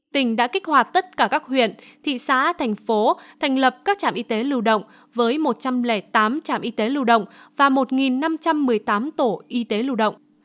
tỉnh đã kích hoạt tất cả các huyện thị xã thành phố thành lập các trạm y tế lưu động với một trăm linh tám trạm y tế lưu động và một năm trăm một mươi tám tổ y tế lưu động